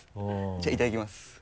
じゃあいただきます。